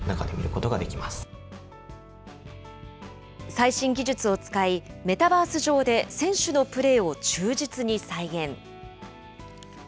最新技術を使い、メタバース上で選手のプレーを忠実に再現。